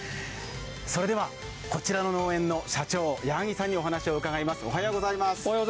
それではこちらの農園の社長、矢萩さんにお話を伺います。